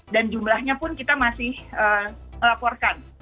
dan jumlahnya pun kita masih laporkan